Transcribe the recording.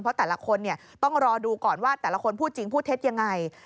เพราะแต่ละคนต้องรอดูก่อนว่าแต่ละคนพูดจริงพูดเท็จยังไง